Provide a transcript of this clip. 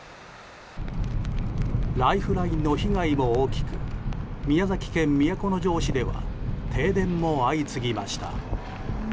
ライフラインの被害も大きく宮崎県都城市では停電も相次ぎました。